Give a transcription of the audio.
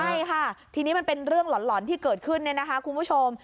ใช่ค่ะทีนี้มันเป็นเรื่องหลอนที่เกิดขึ้นคุณผู้ชม